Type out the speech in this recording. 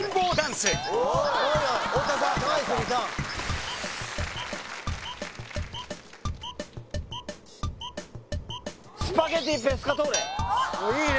スパゲティペスカトーレいけ！